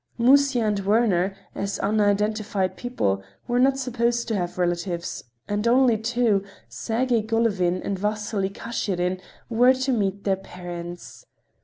Musya and Werner, as unidentified people, were not supposed to have relatives, and only two, Sergey Golovin and Vasily Kashirin, were to meet their parents.